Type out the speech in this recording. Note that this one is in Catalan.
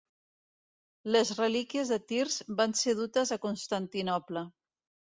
Les relíquies de Tirs van ser dutes a Constantinoble.